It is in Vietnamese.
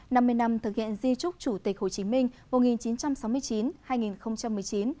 năm mươi năm thực hiện di trúc chủ tịch hồ chí minh một nghìn chín trăm sáu mươi chín hai nghìn một mươi chín